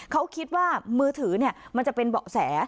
เขาคิดว่ามือถือมันจะเป็นเบาะแส